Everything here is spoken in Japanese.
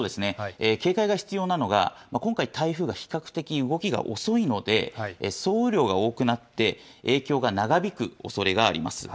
警戒が必要なのが、今回、台風が比較的動きが遅いので、総雨量が多くなって、影響が長引くおそれがあります。